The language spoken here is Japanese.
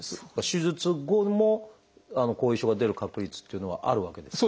手術後も後遺症が出る確率っていうのはあるわけですか？